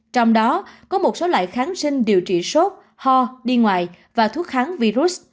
trong đó có một số loại kháng sinh điều trị sốt ho đi ngoài và thuốc kháng virus